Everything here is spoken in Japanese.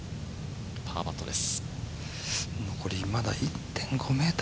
パーパットです。